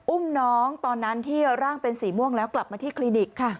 อุ้มน้องตอนนั้นที่ร่างเป็นสีม่วงแล้วกลับมาที่คลินิก